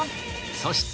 そして